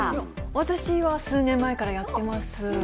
私は数年前からやってます。